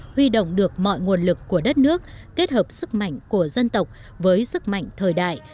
huy động được mọi nguồn lực của đất nước kết hợp sức mạnh của dân tộc với sức mạnh thời đại